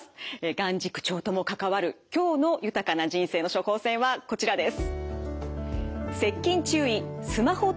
眼軸長とも関わる今日の豊かな人生の処方せんはこちらです。